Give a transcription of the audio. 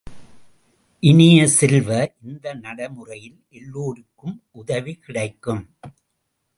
இனிய செல்வ, இந்த நடைமுறையில் எல்லோருக்கும் உதவி கிடைக்கும்.